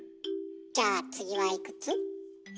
じゃあ次はいくつ？